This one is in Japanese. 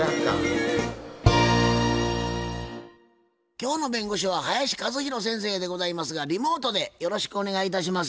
今日の弁護士は林一弘先生でございますがリモートでよろしくお願いいたします。